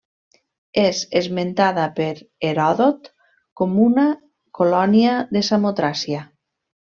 És esmentada per Heròdot com una colònia de Samotràcia.